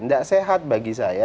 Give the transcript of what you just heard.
tidak sehat bagi saya